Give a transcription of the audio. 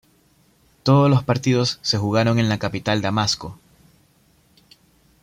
Todos los partidos se jugaron en la capital Damasco.